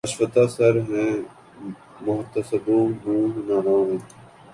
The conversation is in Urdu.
آشفتہ سر ہیں محتسبو منہ نہ آئیو